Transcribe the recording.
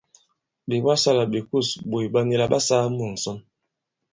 Ɓè wasā àlà ɓè kûs ɓòt ɓà nì là ɓalà saa mu ŋ̀sɔn.